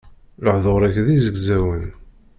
Lehdur-ik d izegzawen.